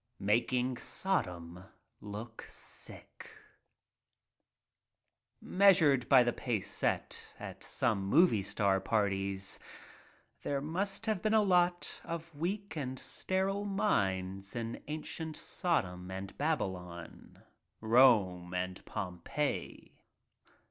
.. Making Sodom Sick MEASURED by the pace set at some movie star parties there must have been a lot of weak and sterile minds in ancient Sodom and Baby lon — Rome and Pompeii.